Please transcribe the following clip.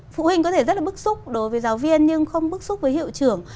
phụ huynh có thể rất là bức xúc đối với giáo viên nhưng không bức xúc với hiệu trưởng